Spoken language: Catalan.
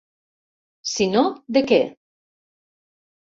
Si no, de què?